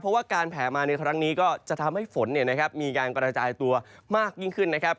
เพราะว่าการแผลมาในครั้งนี้ก็จะทำให้ฝนมีการกระจายตัวมากยิ่งขึ้นนะครับ